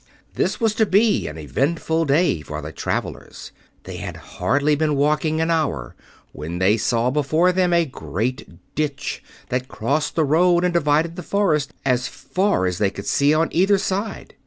This was to be an eventful day for the travelers. They had hardly been walking an hour when they saw before them a great ditch that crossed the road and divided the forest as far as they could see on either side.